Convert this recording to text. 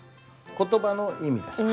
「言葉の意味」です。